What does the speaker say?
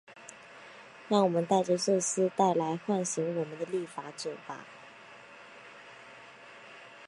让我们戴着这丝带来唤醒我们的立法者吧。